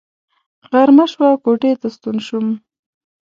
غرمه شوه کوټې ته ستون شوم.